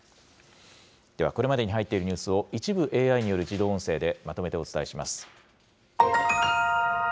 では、これまでに入っているニュースを一部ＡＩによる自動音声でまとめてお伝えします。